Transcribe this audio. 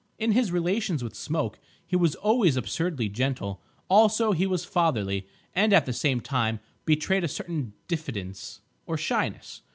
In his relations with Smoke he was always absurdly gentle; also he was fatherly; and at the same time betrayed a certain diffidence or shyness.